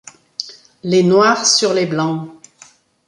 Les Noirs sur les Blancs.